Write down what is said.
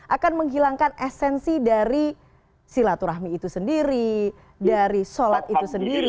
akan menghilangkan esensi dari silaturahmi itu sendiri dari sholat itu sendiri